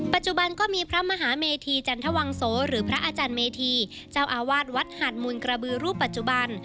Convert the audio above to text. ก็มีพระมหาเมธีจันทวังโสหรือพระอาจารย์เมธีเจ้าอาวาสวัดหาดมูลกระบือรูปปัจจุบัน